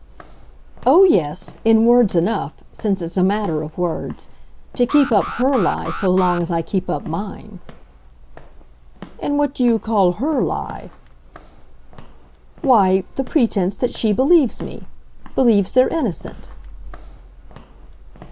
"Oh yes, in words enough since it's a matter of words. To keep up HER lie so long as I keep up mine." "And what do you call 'her' lie?" "Why, the pretence that she believes me. Believes they're innocent."